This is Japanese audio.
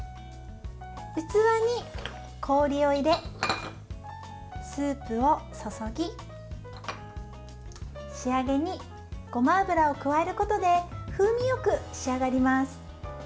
器に氷を入れ、スープを注ぎ仕上げに、ごま油を加えることで風味よく仕上がります。